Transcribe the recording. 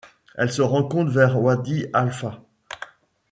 Elle se rencontre vers Wadi Halfa.